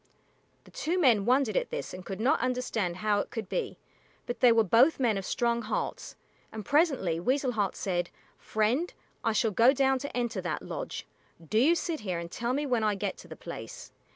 The two men wondered at this and could not understand how it could be, but they were both men of strong hearts, and presently Weasel Heart said, "Friend, I shall go down to enter that lodge. Do you sit here and tell me when I get to the place."